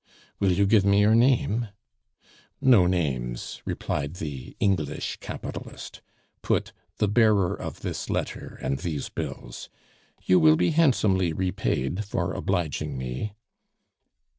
"Will you give me your name?" "No names," replied the English capitalist. "Put 'The bearer of this letter and these bills.' You will be handsomely repaid for obliging me."